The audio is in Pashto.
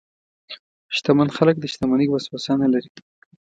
شتمن خلک د شتمنۍ وسوسه نه لري.